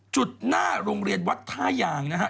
หน้าโรงเรียนวัดท่ายางนะฮะ